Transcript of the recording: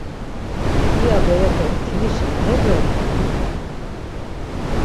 İya berepe mtinişi manebra renani?